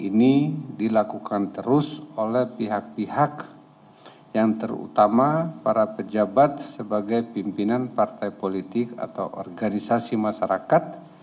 ini dilakukan terus oleh pihak pihak yang terutama para pejabat sebagai pimpinan partai politik atau organisasi masyarakat